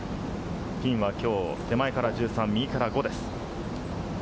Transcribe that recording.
ピンはきょう手前から１３、右から５です。